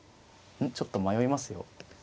ちょっと迷いますよ。